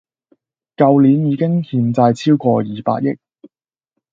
舊年已經欠債超過二百億